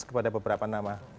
kepada beberapa nama